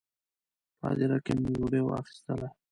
په هدیره کې مې ویډیو اخیستله.